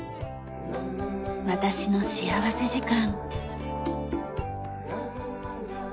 『私の幸福時間』。